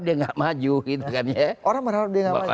dia gak maju gitu kan ya orang mengharap dia gak maju